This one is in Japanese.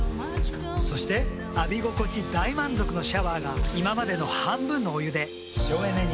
そして浴び心地大満足のシャワーが今までの半分のお湯で省エネに。